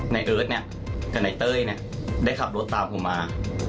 ในเอิร์ทเนี่ยกับนายเต้ยได้ขับรถตามผมมา